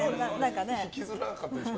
行きづらかったでしょ？